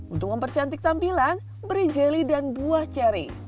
untuk mempercantik tampilan beri jelly dan buah ceri